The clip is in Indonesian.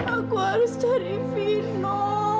aku harus cari vino